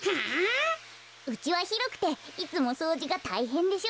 うちはひろくていつもそうじがたいへんでしょ。